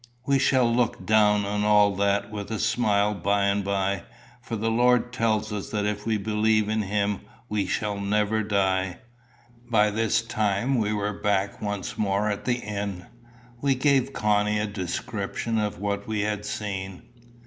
We shall look down on all that with a smile by and by; for the Lord tells us that if we believe in him we shall never die." By this time we were back once more at the inn. We gave Connie a description of what we had seen.